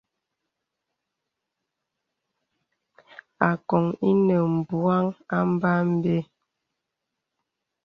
Àgòŋ inə mbugaŋ a mbâbə́.